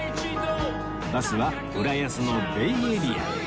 バスは浦安のベイエリアへ